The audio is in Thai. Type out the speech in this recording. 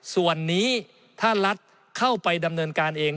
ส่วนนี้ถ้ารัฐเข้าไปดำเนินการเอง